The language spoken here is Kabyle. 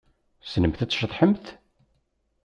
Tessnemt ad tceḍḥemt?